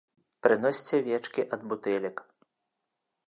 Прыносьце вечкі ад бутэлек!